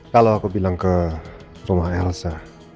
kalau aku bilang ke rumah elsa